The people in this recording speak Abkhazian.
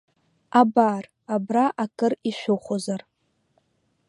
Абар, абра акыр ишәыхәозар.